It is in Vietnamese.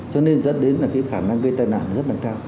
cho nên dẫn đến là cái khả năng gây tai nạn rất là cao